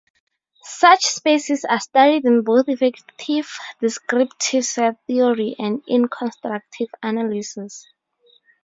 Such spaces are studied in both effective descriptive set theory and in constructive analysis.